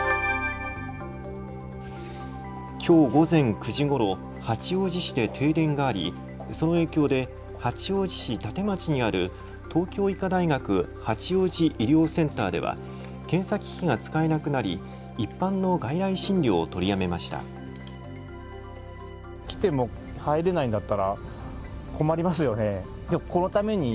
きょう午前９時ごろ、八王子市で停電があり、その影響で八王子市館町にある東京医科大学八王子医療センターでは検査機器が使えなくなり一般の外来診療を取りやめました。